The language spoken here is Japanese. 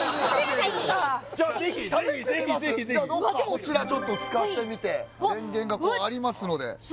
こちらちょっと使ってみてはいわっ電源がこうありますのでうわっ